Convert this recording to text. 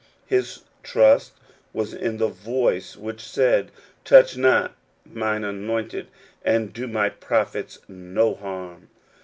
His trust was in that voice which said, "Touch not mine anointed, and do my prophets no harm."